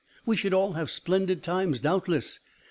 We should all have splendid times doubtless!